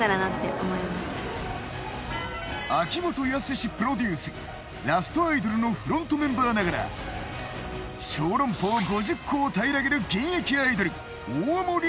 秋元康プロデュースラストアイドルのフロントメンバーながら小籠包５０個を平らげる現役アイドル大森莉緒。